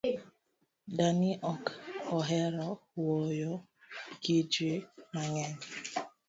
Dani ok ohero wuoyo gi jii mang’eny